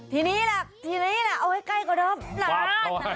ทีนี้แหละทีนี้แหละเอาให้ใกล้กว่าดออฟนั้น